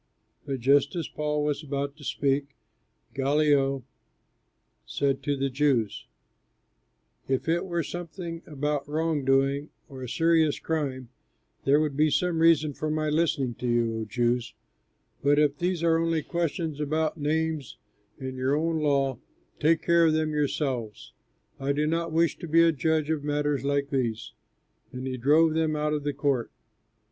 But just as Paul was about to speak, Gallio said to the Jews, "If it were something about wrong doing or a serious crime, there would be some reason for my listening to you, O Jews; but if these are only questions about names and your own law, take care of them yourselves. I do not wish to be a judge of matters like these." And he drove them out of the court.